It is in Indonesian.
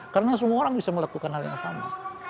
karena semua orang bisa melakukan hal yang sama